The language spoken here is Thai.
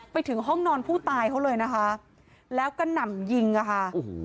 ไปถึงห้องนอนผู้ตายเขาเลยนะคะแล้วก็หนำยิงอ่ะค่ะโอ้โห